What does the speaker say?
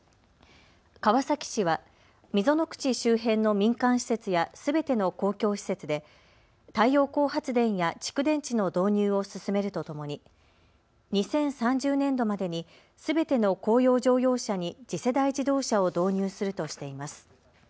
川崎市は溝口周辺の民間施設やすべての公共施設で太陽光発電や蓄電池の導入を進めるとともに２０３０年度までにすべての公用乗用車に次世代自動車を導入するとしています。